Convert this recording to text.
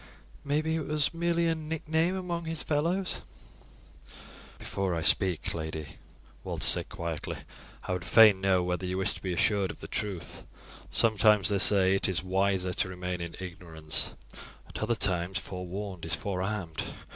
Maybe it was merely a nickname among his fellows." "Before I speak, lady," Walter said quietly, "I would fain know whether you wish to be assured of the truth. Sometimes, they say, it is wiser to remain in ignorance; at other times forewarned is forearmed.